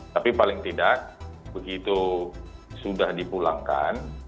tapi paling tidak begitu sudah dipulangkan